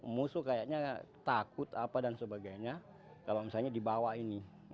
musuh kayaknya takut apa dan sebagainya kalau misalnya dibawa ini